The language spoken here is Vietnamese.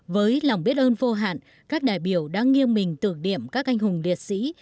với lòng biết ơn vô hạn các đại biểu đang nghiêng mình tượng điểm các anh hùng liệt sĩ